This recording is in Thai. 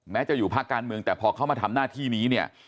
จะอยู่ภาคการเมืองแต่พอเข้ามาทำหน้าที่นี้เนี่ย